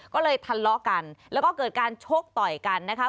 ก็เลยทะเลาะกันแล้วก็เกิดการชกต่อยกันนะคะ